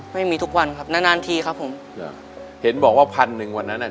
ไม่มีทุกวันครับนานนานทีครับผมเหรอเห็นบอกว่าพันหนึ่งวันนั้นอ่ะ